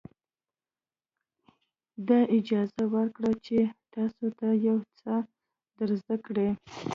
دا اجازه ورکړئ چې تاسو ته یو څه در زده کړي.